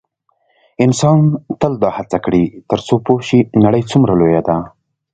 انسان تل دا هڅه کړې څو پوه شي نړۍ څومره لویه ده.